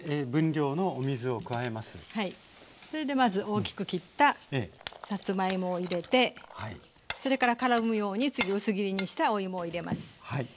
それでまず大きく切ったさつまいもを入れてそれからからむように次薄切りにしたおいもを入れます。